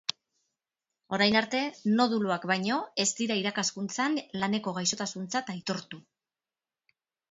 Orain arte, noduluak baino ez dira irakaskuntzan laneko gaixotasuntzat aitortu.